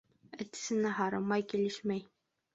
Эт эсенә һары май килешмәй.